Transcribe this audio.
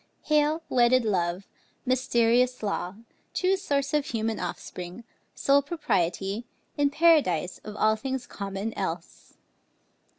Hail, wedded love, mysterious law, true source Of human offspring, sole propriety, In Paradise of all things common else!